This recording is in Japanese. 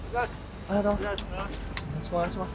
おはようございます。